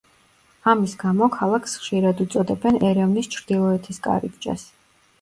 ამის გამო ქალაქს ხშირად უწოდებენ ერევნის „ჩრდილოეთის კარიბჭეს“.